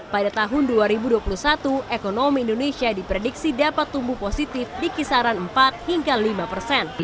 pada tahun dua ribu dua puluh satu ekonomi indonesia diprediksi dapat tumbuh positif di kisaran empat hingga lima persen